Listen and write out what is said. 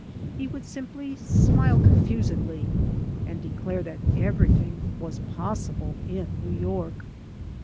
He would simply smile confusedly, and declare that^ every thing was possible in New York.